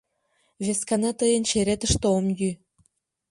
Вескана тыйын черетыште ом йӱ.